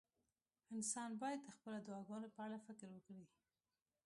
انسان باید د خپلو دعاګانو په اړه فکر وکړي.